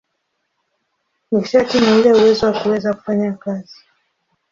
Nishati ni ule uwezo wa kuweza kufanya kazi.